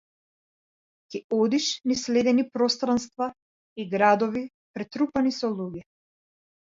Ќе одиш низ ледени пространства и градови претрупани со луѓе.